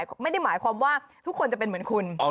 ก็ไม่ได้หมายความว่าทุกคนจะเป็นเหมือนคุณ